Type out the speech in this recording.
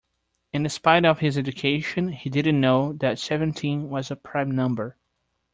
In spite of his education, he didn't know that seventeen was a prime number